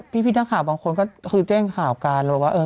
พี่ด้านข่าวบางคนก็แจ้งข่าวการว่า